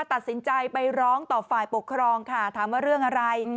ตัดสินใจไปร้องต่อฝ่ายปกครองค่ะถามว่าเรื่องอะไร